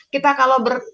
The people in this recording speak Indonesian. kita kalau ber